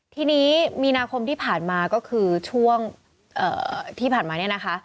ทีนี้มีนาคมที่ผ่านมาก็คือช่วงที่ผ่านมาเนี่ยนะคะ